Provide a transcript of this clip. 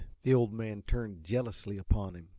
The Old Man turned jealously upon him.